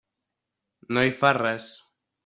No hi fa res.